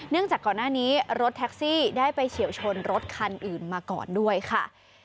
จากก่อนหน้านี้รถแท็กซี่ได้ไปเฉียวชนรถคันอื่นมาก่อนด้วยค่ะ